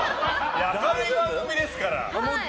明るい番組ですから。